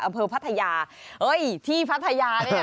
เมืองพัทยาที่พัทยาเนี่ย